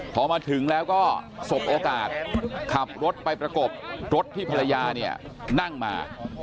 พอมาถึงแล้วก็สบโอกาสขับรถไปประกบรถที่ภรรยาเนี่ยนั่งมา